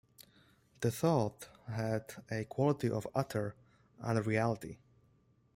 The thought had a quality of utter unreality.